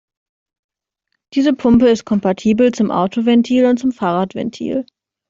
Diese Pumpe ist kompatibel zum Autoventil und zum Fahrradventil.